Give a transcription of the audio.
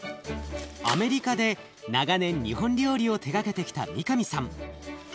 アメリカで長年日本料理を手がけてきた三上さん。